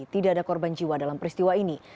tidak ada korban jiwa dalam peristiwa ini